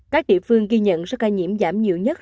các địa phương ghi nhận số ca nhiễm giảm nhiều nhất